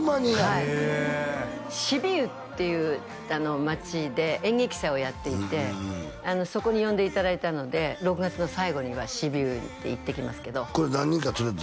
はいシビウっていう町で演劇祭をやっていてそこに呼んでいただいたので６月の最後にはシビウに行ってきますけどこれ何人かつれて？